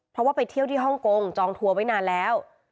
เพราะว่าไปเที่ยวที่ฮ่องกงจองทัวร์ไว้นานแล้ว